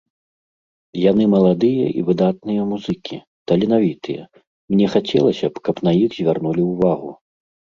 Яны маладыя і выдатныя музыкі, таленавітыя, мне хацелася б, каб на іх звярнулі ўвагу.